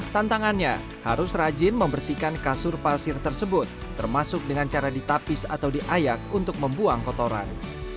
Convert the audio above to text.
tantangannya harus rajin membersihkan kasur pasir tersebut termasuk dengan cara ditapis atau diayak untuk membuang kotoran